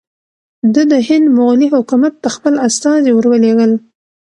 ده د هند مغولي حکومت ته خپل استازي ور ولېږل.